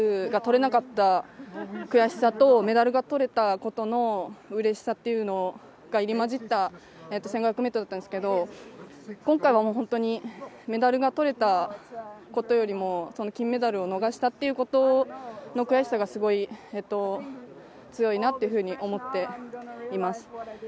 前回のオリンピックは、金メダルが取れなかった悔しさとメダルが取れたことのうれしさというのが入り交じった１５００ｍだったんですけど、今回は本当にメダルが取れたことよりも金メダルを逃したということの悔しさがすごい強いなっていうふうに思っています。